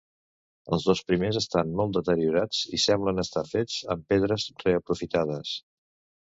Els dos primers estan molt deteriorats i semblen estar fets amb pedres reaprofitades.